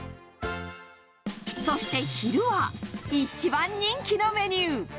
そして昼は一番人気のメニュー。